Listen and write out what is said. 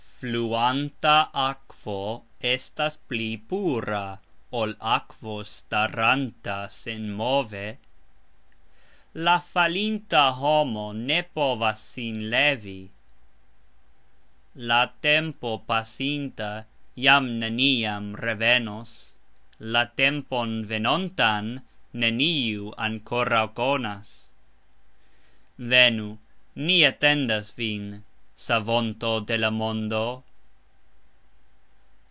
Fluanta akvo estas pli pura, ol akvo staranta senmove. La falinta homo ne povas sin levi. La tempo pasinta jam neniam revenos; la tempon venontan neniu ankoraux konas. Venu, ni atendas vin, Savonto de la mondo.